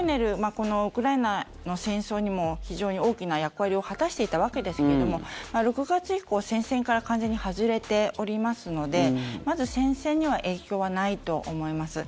このウクライナの戦争にも非常に大きな役割を果たしていたわけですけれども６月以降、戦線から完全に外れておりますのでまず戦線には影響はないと思います。